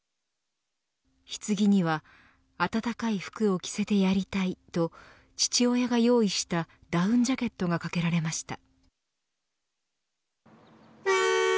ひつぎには暖かい服を着せてやりたいと父親が用意したダウンジャケットがかけられました。